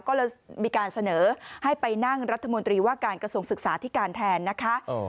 ก็เลยมีการเสนอให้ไปนั่งรัฐมนตรีว่าการกระทรวงศึกษาที่การแทนนะคะ